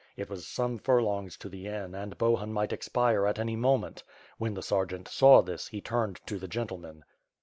It was some furlongs to the inn and Bohun might expire at any moment. When the sergeant saw this* he turned to the gentlemen.